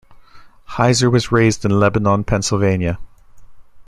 Heiser was raised in Lebanon, Pennsylvania.